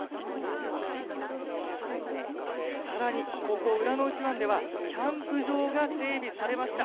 さらに、ここ浦ノ内湾ではキャンプ場が整備されました。